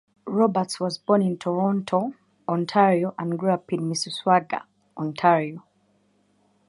Roberts was born in Toronto, Ontario and grew up in Mississauga, Ontario.